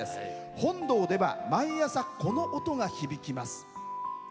本堂では毎朝、この音が響きます。